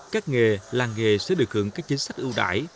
các nghề làng nghề sẽ được hưởng các chính sách ưu đại